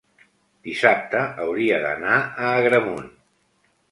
dissabte hauria d'anar a Agramunt.